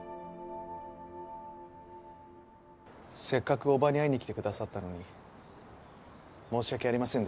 せっかく叔母に会いに来てくださったのに申し訳ありませんでした。